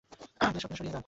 Please সবকিছু সরিয়ে নিন।